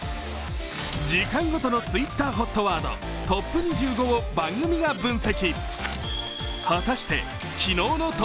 時間ごとのＴｗｉｔｔｅｒＨＯＴワードトップ２５を番組が分析。